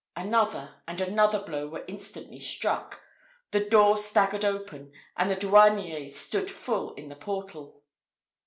Another and another blow were instantly struck: the door staggered open, and the douanier stood full in the portal.